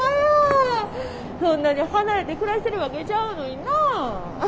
そんなに離れて暮らしてるわけちゃうのにな。